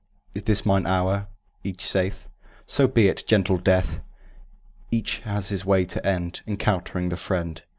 "Is this mine hour?" each saith. "So be it, gentle Death!" Each has his way to end, Encountering this friend.